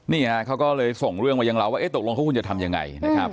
นี่ฮะเขาก็เลยส่งเรื่องมายังเราว่าตกลงเขาควรจะทำยังไงนะครับ